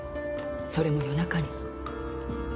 それも夜中に。